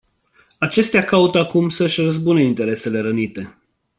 Acestea caută acum să își răzbune interesele rănite.